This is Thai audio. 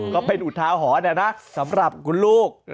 ก็เป็นอุทาหรณ์นะสำหรับคุณลูก